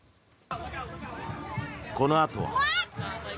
このあとは。